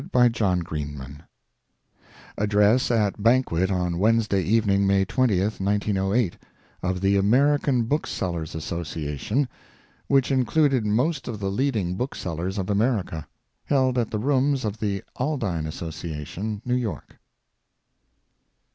BOOKSELLERS Address at banquet on Wednesday evening, May 20, 1908, of the American Booksellers' Association, which included most of the leading booksellers of America, held at the rooms of the Aldine Association, New York.